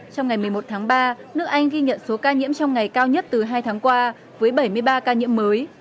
trong ngày một mươi một tháng ba nước anh ghi nhận số ca nhiễm trong ngày cao nhất từ hai tháng qua với bảy mươi ba ca nhiễm mới